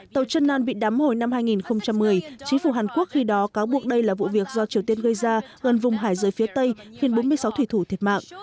tàu trần nan bị đám hồi năm hai nghìn một mươi chính phủ hàn quốc khi đó cáo buộc đây là vụ việc do triều tiên gây ra gần vùng hải rơi phía tây khiến bốn mươi sáu thủy thủ thiệt mạng